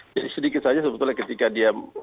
jadi sedikit saja sebetulnya ketika dia